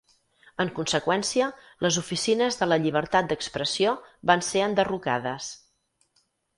En conseqüència, les oficines de la "Llibertat d'Expressió" van ser enderrocades.